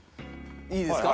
いいですか？